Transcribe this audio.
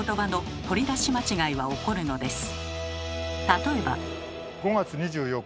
例えば。